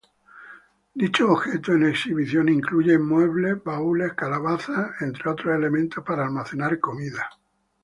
Dichos objetos en exhibición incluyen muebles, baúles, calabazas, entre otros elementos para almacenar comida.